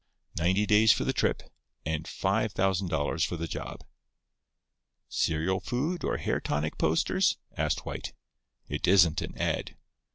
Ninety days for the trip, and five thousand dollars for the job." "Cereal food or hair tonic posters?" asked White. "It isn't an ad."